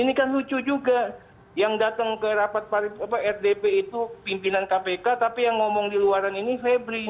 ini kan lucu juga yang datang ke rapat rdp itu pimpinan kpk tapi yang ngomong di luaran ini febri